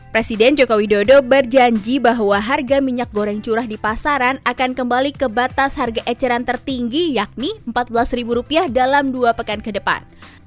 presiden jokowi dodo berjanji bahwa harga minyak goreng curah di pasaran akan kembali ke batas harga eceran tertinggi yakni rp empat belas dalam dua pekan ke depan